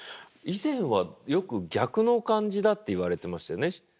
以前はよく逆の感じだって言われてましたよね。